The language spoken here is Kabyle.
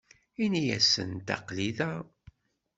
Ini-asent aql-i da.